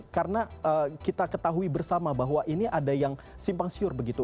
karena kita ketahui bersama bahwa ini ada yang simpang siur begitu